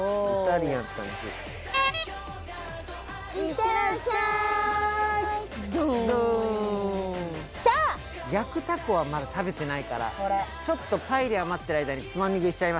気焼くタコはまだ食べてないから舛腓辰パエリア待ってる間につまみ食いしちゃいましょう。